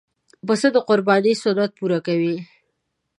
پسه د قربانۍ سنت پوره کوي.